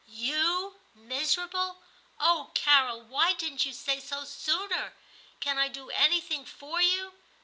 *You miserable! Oh, Carol, why didn't you say so sooner ? Can I do anything for you